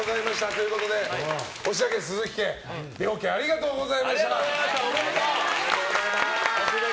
ということで押田家、鈴木家両家ありがとうございました。